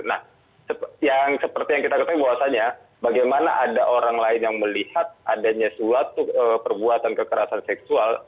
nah yang seperti yang kita ketahui bahwasannya bagaimana ada orang lain yang melihat adanya suatu perbuatan kekerasan seksual